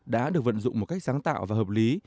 đã được vận dụng một cách sáng tạo và hợp lý